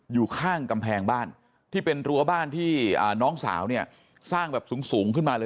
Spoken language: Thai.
อยู่ข้างกำแพงบ้านที่เป็นรั้วบ้านที่น้องสาวเนี่ยสร้างแบบสูงขึ้นมาเลย